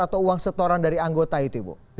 atau uang setoran dari anggota itu ibu